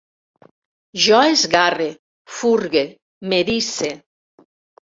Jo esgarre, furgue, m'erice